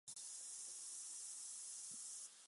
无柄花瓜子金为远志科远志属下的一个种。